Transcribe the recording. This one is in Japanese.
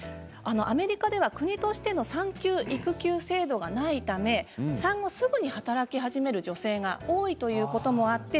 アメリカでは国としての産休育休制度がないため産後すぐに働き始める女性が多いということもあって